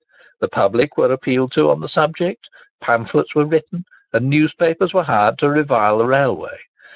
The public were appealed to on the subject; pamphlets were written and newspapers were hired to revile the railway.